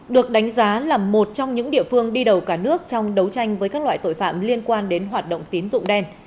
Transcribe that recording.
được đánh giá là một trong những địa phương đi đầu cả nước trong đấu tranh với các loại tội phạm liên quan đến hoạt động tín dụng đen